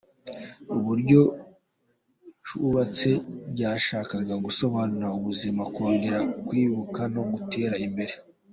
Uburyo cyubatse byashakaga gusobanura ubuzima, kongera kwiyuba no gutera imbere.